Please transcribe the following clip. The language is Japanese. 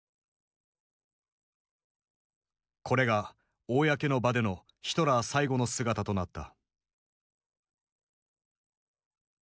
これが公の場でのヒトラー最後の姿となった。